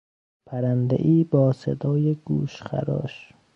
پرندهای با صدای گوشخراش